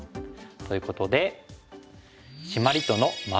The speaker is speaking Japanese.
ということで。